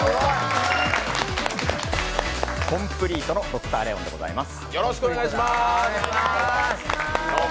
コンプリートのＤｒ．レオンでございます。